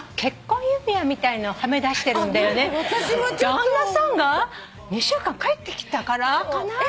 旦那さんが２週間帰ってきたからかな？